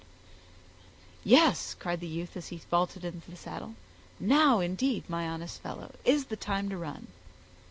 "Yes," cried the youth as he vaulted into the saddle, "now, indeed, my honest fellow, is the time to run."